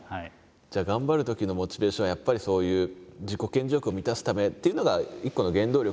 じゃあ頑張るときのモチベーションはやっぱりそういう自己顕示欲を満たすためっていうのが一個の原動力なんですかね。